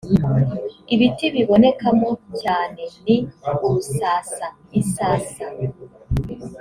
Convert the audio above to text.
Ibiti bibonekamo cyane ni urusasa (insasa)